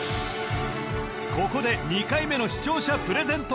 ここで２回目の視聴者プレゼント